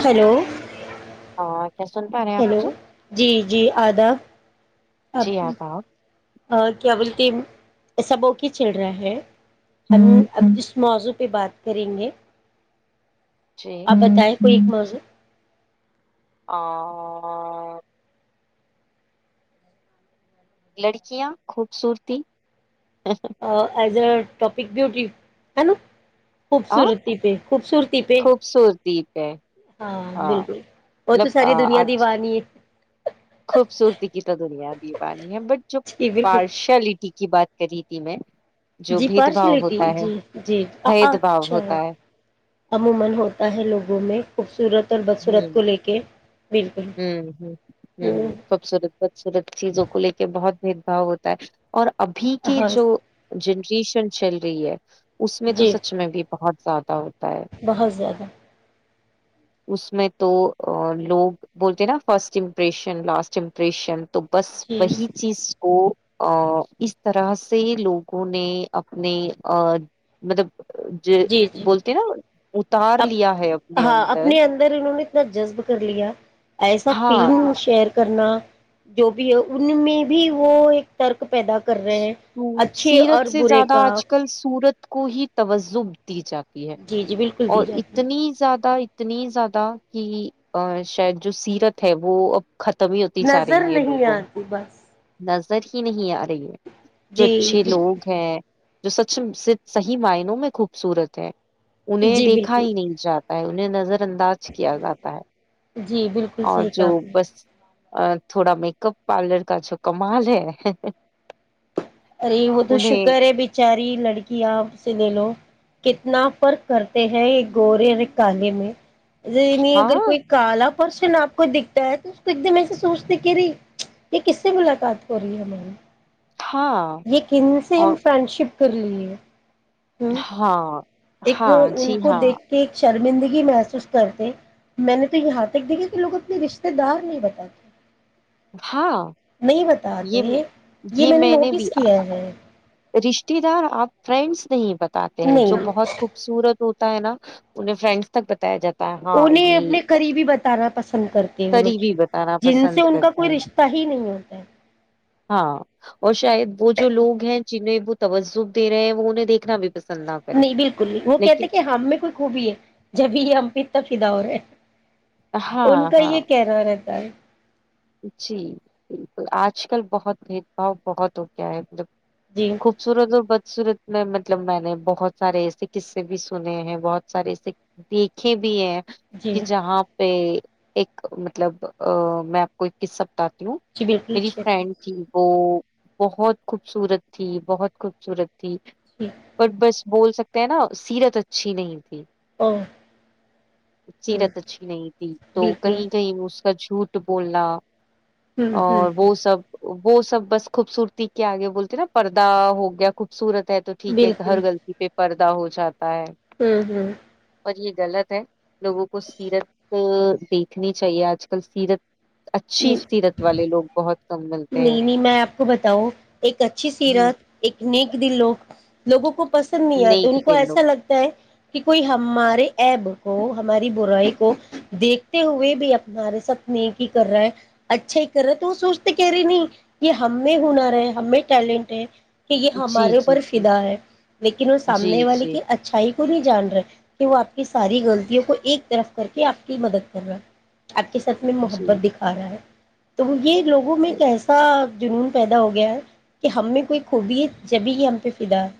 Hello آپ hello مجھے جی جی آداب جی آتا آپ ا کیا بولتی ایسبوکی چل رہا ہے ہمب اس مذب پہ بات کریں گے آپ بتائیں کوئی ایک موضوع [unintelligible] [unintelligible] لڑکیاں خوبصورتی [unintelligible] ٹاپک بوٹی ہے نا آ خوبصورتی پہ خوبصورتی پہ خوبصورتی پہ ہاں بالکل وہ مطلب تو ساری آ، دنیا کی آج واہانی ہے خوبصورتی کی تو دنیا دیوانی ہے بٹ جو جی بالکل پارشلٹی کی بات ریتی میں جو جی بھید پارش بھاؤ لٹی ہوتا ہے جی جی بھید بھاؤ اچھا ہوتا ہے عموما ہوتا ہے لوگوں میں خوبصورت ر بدسورت کو لے کے بالکل ہ ہ ہ خوبصورت خوبصورت چیزوں کو لے کے بہت بھید باؤ ہوتا ہے اور ابھی کے ہاں جو جن بھیشن چل رہی ہے اس میں تو جی سچ میں بھی بہت زیادہ ہو بہت زیادہ اس میں تو لوگ بولتے ہیں نا فرسٹ امپریشن لاسٹ امپریشن تو بس جی وہی چیز کو ا اس طرح سے لوگوں نے اپنے ا مطلب جو جی جی بولتے نا اتار اب لیا ہے اپنے اندر نا جذب کر لیا ایسا ہاں فیلڈ ہ شئر کرنا جو بھی ہے ان میں بھی وہ ایک ترک پیدا کر رہے ہیں تو اچھے اور سیرت سے برے زیادہ کا آج کل سورت کو ہی توجب دی جاتی ہے جی جی بالکل دی اور جاتی اتنی زیادہ اتنی زیادہ کہ شاید جو سیرت ہے وہ ختم ہی ہوتی جا نظر رہی ہے نہیں لوگوں آتی بس میں بس سر ہی نہیں آ رہی ہے جو جی اچھے لوگ ہیں جو سچ صحیح معنوں میں خوبصورت ہے انہیں جی دیکھا بالکل ہی نہیں جاتا ان نظر انداز کیا جاتا ہے جی بالکل اور صحیح جو کاپ نے بس تھوڑا میک اپ پارلر کا جو کمال ہے ارے وہ تو انہیں شکر ہے بچاری لڑکی آپ سے لے لو کتنا فرق کرتے ہیں یہ گورے اور کالے میں ج نہیں اگر ہاں کوئی کالا پرس آپ کو دکھتا ہے تو اس کو ایک دم ای سے سوچتے کہ رہی یہ کس سے ملاقات ہو رہی ہے ہم ہاں یہ کن سے اور ہم فرینڈ شپ کر لیے ہ ہاں ایک ہاں ان جی کو ہاں دیکھ کے ایک شرمندگی محسوس کرتے میں نے تو یہاں تک دیکھا کہ لوگ اپنے رشتے دار نہیں بتاتے ہاں یہ آتے یہ میں نے نوٹس کیا کیا جائے رشتے دار آپ فرینڈس نہیں بت آتے ہیں نہیں جو نہیں بہت خوبصورت ہو ہے نا پنے فرینڈس تک ب انہیں اپنے قریبی بتانا پسند کرتے ہیں وہ لوگ قریبی بتانا جن سے پسند ان کا کرتے کوئی ہیں رشتہ ہی نہیں ہوتا ہے ہاں اور شاید وہ جو لوگ ہیں جنہیں وہ توجب دے رہے ہیں وہ انہیں دیکھنا بھی پسند نہ کریں نہیں بالکل نہیں وہ لیکن کہتے کہ ہم میں کوئی خوبی ہے جبھی یہ ہم پ تفیدا ہو ہے ان ہاں کا ہاں یہ کہ رہا سار جی بالکل آج کل بہت بھید باؤ بہت ہو گیا ہے مطلب جی خوبصورت اور ب سورۃ میں مطلب میں نے بہت سارے ایسے قصے بھی سنے ہیں بہت سارے دیکھے بھی ہیں جی کہ جہاں پہ ایک مطلب ا میں کوئی کس سبتا جی بالکل میری جی فرینڈ تھی وہ بہت خوبصورت تھی بہت خوبصورت ٹ جی اور بس بول سکتے ہیں نا سیرت اچھی نہیں او ہ سیرت اچھی نہیں تھی تو بالکل کہیں کہیں اس چھوٹ ب ل ہ ہ اور ہ وہ سب وہ سب بس خوبصورتی کے آگے بولتے نا پردہ ہو گیا خوبصورت تو ٹھیک ہے ہر غطی پہ پردا ہو جات ہوں ہوں اور یہ غلط ہے لوگوں کو سیرت دیکھنی چاہیے آج کل سیرت اچھی سیرت نہیں والے لوگ بہت کم ملتے ہیں نہیں میں آپ کو بتاؤ ایک اچھی ہ سیرت ایک نیک دن لوگ لوگوں کو پسند نہیں آ تو نیک ان کو دل لوگ ایسا لگتا ہے کہ کوئی ہمارے ایب کو ہماری برائی کو دیکھتے ہوئے بھی ہمارے سپنے کی کر رہا ہے اچھا ہی کر رہا ہے تو وہ سوچتے کہہ رہے نہیں کہ ہم میں ہنر ہے ہم میں ٹیلنٹ ہے کہ یہ جی ہمارے جی اوپر جی فدا ہے لیکن وہ جی سامنے والے جی کی اچھائی نہیں جان رہے کہ وہ آپ کی ساری غلطیوں کو ایک طرف کر کے آپ کی مدد کر رہا ہے آپ کے کے سات میں محت جی دکھا رہا ہے تو وہ یہ لوگوں میں کیسا جنون پیدا ہو گیا ہے کہ ہمیں کوئی خوبی جبھی ہی ہم پہ فدا ہے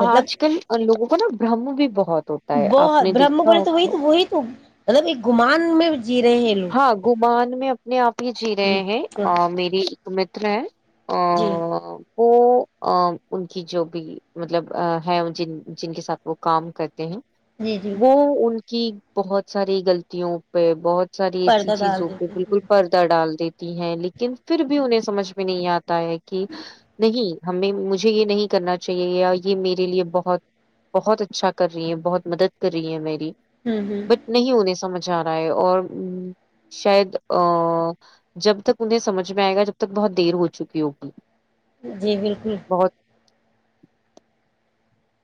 مطلب آج کل لوگوں مطب برہم بھی بہت ہوتا ہے ب آپ نے برہم دیکھا بولے تو وہ ہوگا تو وہی تو مطلب یہ گمان میں جی رہے ہیں ہاں لوگ گمان میں اپنے آپ ہی جی رہے ہاں ہیں میری تمت ہے جی ہ وہ ان کی جو بھی مطلب ہے جن جن کے ساتھ وہ کام کر ہیں جی جی وہ ان کہ بہت ساری غلطوں پہ بہت ساری ایسی پردہ ڈال چیزوں پ دیتے بالکل ہیں پردہ ڈال دیتی ہیں لیکن پھر بھی انہیں سمجھ میں نہیں آتا ہے کہ نہیں ہمیں مجھے یہ نہیں کرنا چاہیے یہ میرے لیے بہت بہت اچھا کر رہی ہیں بہت مدد کر رہی ہے میری ہوں بٹ ہوں نہیں ہونے سمجھ جا رہا ہے اور ہ شاید ا جب تک انہیں سمجھ میں آئے گا جب تک بہت دیر ہو چکی ہے ہو پ جی بالکل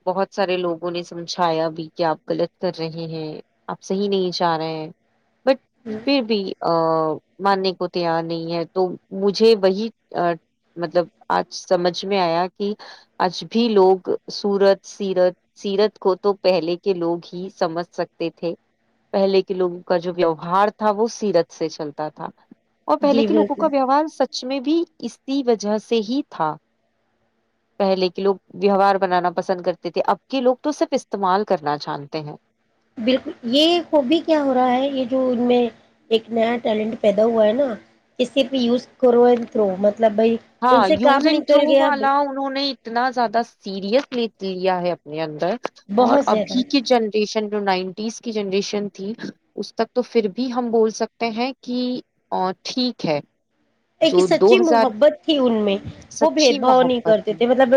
بہت سارے لوگوں نے سمجھایا بھی کہ آپ غلط کر رہے ہیں آپ صحیح نہیں چاہ رہے ہیں بٹ پھر بھی ماننے کو تیار نہیں ہے تو مجھے وہی مطلب آج سمجھ میں آیا کہ آج بھی لوگ سورت سیرت سیرت کو تو پہلے کے لوگ ہی سمجھ سکتے تھے پہلے کے لوگوں کا جو ویوہار تھا وہ سیرت سے چلتا تھا اور پہلے جی کے لگوں بالکل کا ویوار سچ میں بھی اسی وجہ سے ہی تھا پہلے کے لوگ ویوار بنانا پسند کرتے تھے اب کے لوگ تو صرف استعمال کرنا چاہتے ہیں بالکل یہ ہبی کیا ہو رہا ہے یہ جو ان میں ایک نیا ٹیلنٹ پیدا ہوا ہے نا کہ صرف یوز کرو اینڈ تھرو مطل مطلب بھائی ان ہاں سے کام یوز اینڈ نکل تھرو گیا اب والا انہوں نے اتنا زیادہ سیریس ل لیا ہے اپنے اندر اور بہت زیادہ ابھی کے جنریشن نائنٹیز کی جنریشن تھی اس تک تو پھر بھی ہم بول سکتے ہیں کہ ٹھیک ہے ایک جو دو سچی ہزار محبت تھی ان میں وہ بھید سچی بھاؤ نہیں محبت کرتے تھی۔ تھے مطلب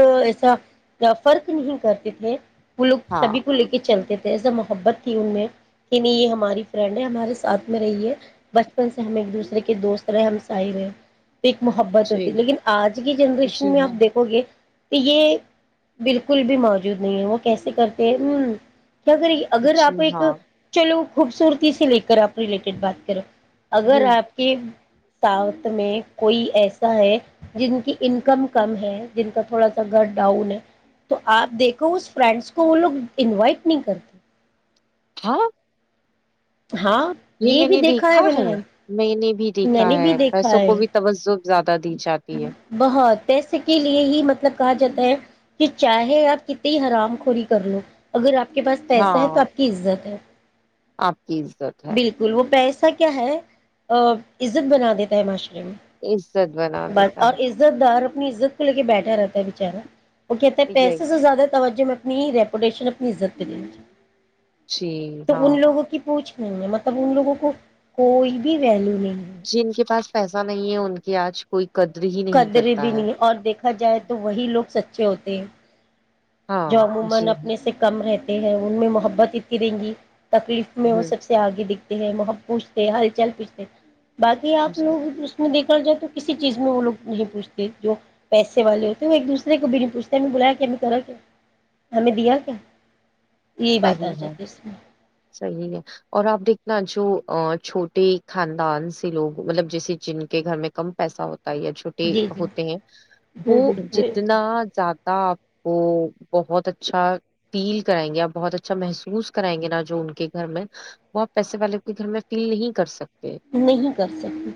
فرق نہیں کرتے تھے وہ لوگ ہاں سبھی کو لے کے چلتے تھے جسا محبت تھی ان میں کہ نہیں یہ ہماری فرینڈ ہے ہمارے ساتھ میں رہی ہے بچپن سے ہم ایک دوسرے کے دوست رہے ہم سائی رہے تو ایک محبت جی ہوتی لیکن آج کی جی جنریشن میں ہاں آپ دیکھو گے تو یہ بالکل بھی موجود نہیں ہے وہ کیسے کرتے ہیں ہ کیا کری اگر جی آپ ایک ہاں چلو خوبصورتی سے لے کر آپ ریلیٹڈ بات کریں ہ اگر آپ کی تؤ میں کوئی ایسا ہے جن کی انکم کم ہے جن کا تھوڑا سا گھر ڈاؤن ہے تو آپ دیکھو اس فرینڈس کو وہ لوگ انوائٹ نہیں کرتے ہاں ہاں یہ میں بھی نے دیکھا میں ہے نے میں نے بھی میں دیکھا نے ہے بھی دیکھا پیسوں کو ہے بھی توجہ زیادہ دی جاتی ہے بہت ایس کے لیے ہی مطلب کہا جاتا ہے کہ چاہے آپ کتنی حرام خوری کر لو اگر آپ آپ کے پاس پیسہ ہے تو ہاں آپ کی عزت ہے آپ کی عزت ہے بالکل وہ پیسے ا کیا ہے عزت بنا دیتا ہے معاشرے میں ا بس اور عزت دار زت کو لے کے بیٹھا رہتا ہے بےچارا اوکے یہی پیسے سے زیادہ توجہ میں اپنی ریپوٹیشن اپنی عزت پہ دینی جی تو ہاں ان لوگوں کی پوچھ نہیں مطلب ان لوگوں کو کوئی بھی ویلو جی ان کے پاس پیسہ نہیں ہے ان کی آج کوئی قدر ہی نہیں قدرے کرتا بھی ہے نہیں اور دیکھا جائے تو وہی لوگ سچے ہوتے ہیں جو ہاں عموما جی اپنے ہاں سے کم ہے ہیں ان میں محبت اتنی رہیں گی تکلیف میں وہ ہ سب سے آگے دکھ مح پوچھتے ہل چال پوچھتے باقی آپ جی لوگ اس دیک چ جائے تو کسی چیز میں وہ لوگ نہیں پوچھتے جو پیسے والے ہوتے وہ ایک دوسرے کو بھی نہیں پوچھتے ہم بلایا کیا میں کرا کیا ہمیں دیا کیا یہی بات صحی آ ہے جاتی اس میں صحیح ہے اور آپ دیکھنا ان جو چھوٹے خاندان سے لوگ مطلب جیسے جن کے گھر میں کم پیسہ ہوتا یا چھوٹے جی ہوتے ہیں وہ جی جتنا زیادہ آپ کو بہت اچھا فیل کرائیں گے آپ بہت اچھا محسوس کرائیں گے نا جو ان کے گھر میں وہ آپ پیسے والے کے گھر میں فیل نہیں کر سکتے نہیں کر سکتی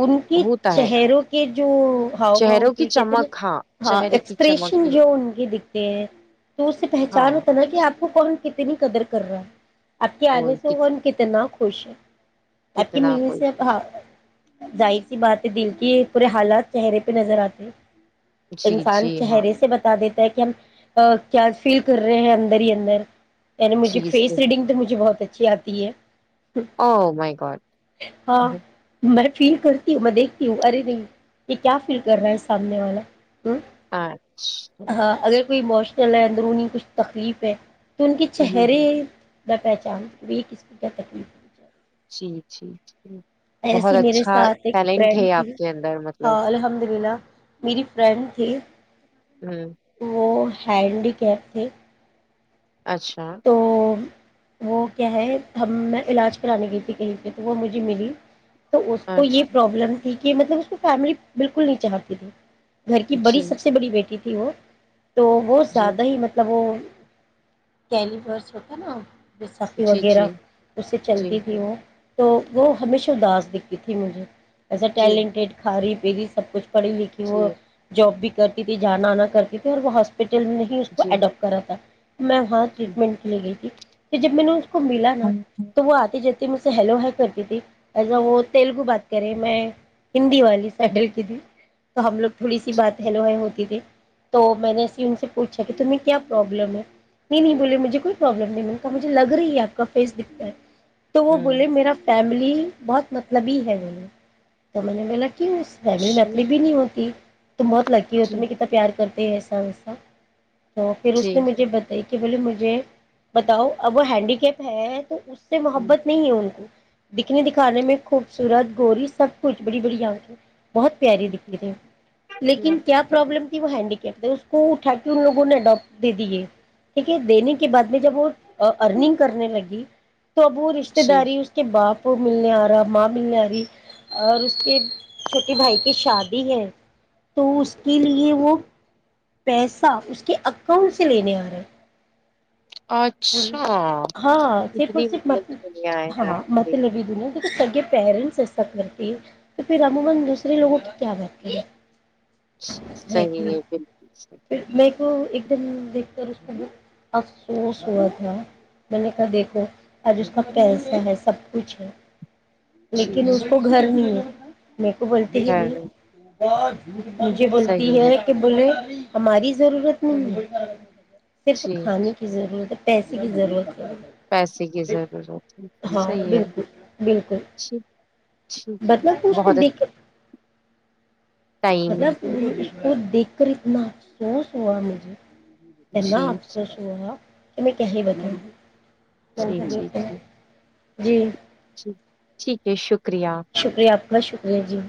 ان کے ہوتا ہے چہروں کے جو ہاؤ بھاؤ چہروں کی ہوتے کہتے ہیں چمک نا ہاں چہرے کی چمک ایکسپریشن کی، جو ان کے دکھتے ہیں تو اس سے پہچان ہاں ہوتا نا کہ آپ کو کون کتے نہیں قدر کر رہا آپ کی آنے کوئی سے کت- کون کتنا خوش ت کہ کتنا می کوئی سے کچھ۔ ظاہر سی باتیں دل یہ پورے حالات چہرے پہ نظر آتے جی انسان جی ہاں چہرے سے بتا دیتا ہے کہ کیا فیل کر رہے ہیں اندر ہی اندر عنی مھے جی فی صحیح ریڈنگ تو مھے بہت اچا اچچھی آتی ہے او مائییک ہاں ب فیل کرتی ہوں میں دیکھتی ہوں ارے نہیں یہ کیا فیل کر رہا ہے سامنے والا اچھا کو اموشنل ہے اندرونی کچھ تکلیف ہے تو ان کے ہ چہرے پہچان وہ کسم کا تکلیف ہوائے جٹی جھیی ایسیے میرے ساتھ ایک فرینڈ ہے تھی آپ کے اندر مطلب ہاں الحمد للہ میری فرینڈ تھی ہ وہ ہینڈییکیپ تھے اچھا تو وہ کیا ہے ہم میں علاج کرانے گئی تھی کہیں پہ تو وہ مجھے ملی تو اس کو یہ اچھا پرابلم کہ مطلب اس کو فیملی بالکل نہیں چاہتی تھی گھر کی بڑی جی سب سے بڑی بیٹی تھی ہی وہ تو وہہت جی زیادہ ہی مطلب وہ کیلی بس ہوتا نا بیساکھی جی وغیرہ جی اس سے جی چلتی تھی وہ تو وہ ہمیشہ اداس دکھتی تھی مجھے ایسے ٹیلنٹیڈ خارف پی بھی سب کچھ پڑی لیکن وہ جی جی جاب بھی کرتی تھی جانا آنا کرتی تھی اور وہ ہاسپٹل فلم ہی اس کو جی اڈاپٹ کرا تھا میں ہاں جی ٹریٹمنٹ کے لیے گئی تھی کہ ج مو کو ملا نا ہوں تو وہ آتے ج مجھ سے ہیلو ہی کرتی ت ایا وہ تیلگو بات کرے میں ہندی والی سائڈل کی تھی تو ہم لوگ تھوڑی سی بات ہیلو ہی ہوتی تھی تو میں نے ای ان سے پوچھا کہ تمہیں کیا پرابلم ہے نہیں ے مجھے کوئی پرابلم نہیں ما مجھے لگ رہی ہے آپ کا فیس دکھتا ہے تو وہ بولے میرا فیملی بہت مطلب ہی ہے م تو میں نے بلا کی اس فیملی میت جی بھی نہیں ہوتی تم بہت لکی ہو جی تمہ کتنا پار تسس تو پھر اس جی نے مجھے بتائی کہ م بتاؤ اب وہ ہینڈی کیپ ہے تو اس سے محبت نہیں ہے ان کو دکھنے دکھانے میں خوبصورت گوری سب کچھ بڑی بڑی آنکھیں بہت پیاری دکھتی تھی لیکن ہ کیا پرابلم وہ ہینڈییکپ ہے اس کو اٹھا کے ان لوگوں نے اڈاپٹ د دیے ٹھیک ہے دنے کے بعد میں جب وہ ارننگ کرنے لگی تو ابو رشتہ جی داری اس کے باپ ملنے آ رہا ماں ملنے آ رہی اور اس کے چھوٹے بھائی کی شادی ہے تو اس کے لیے وہ پیسہ اس کے اکاؤنٹ سے لینے آ رہے ہیں اچھا ہاں صرف اور اتنی صرف مطلب مت دنیائے ہیں سے پیرنٹس ایسک کرتی ہے تو پھر امومن دوسرے لوگوں کی کیا بتی ہے صحیح ہے بالکل صحیح تو ایک دم دیکھ کر اس کو بت افسوس ا تھا میں نے کہا دیکھو آج اس کا پیسہ ہے سب کچھ ہے جی لیکن اس جی کو گھر نہیں ہے میرے کوو بولتی ہی خیر ہے، پانچ مجھے بولتی ہے کہ بولے ہماری ضرورت نہیں صرف جی کھانے کی ضرورت تو پیسے کی ضرورت ہے پیسے کی ضرورت ہے ہاں صحیح ہے بالکل بالکل ٹھیک ٹھیک مطلب اس کو بہت دیکھ اچھا کے ٹائم مطلب وہ دیکھ کر اتنا افسوس ہوا مجھے پنا جی افسوس ہوا ا میں کہ ہی بتاؤ جی جٹی جی جی جی ٹھیک ہے شکریہ شکریہ اپنا شکریہ ریجی